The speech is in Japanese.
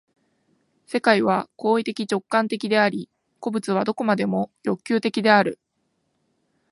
世界は行為的直観的であり、個物は何処までも欲求的である。